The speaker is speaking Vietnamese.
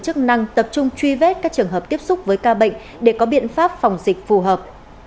chức năng tập trung truy vết các trường hợp tiếp xúc với ca bệnh để có biện pháp phòng dịch phù hợp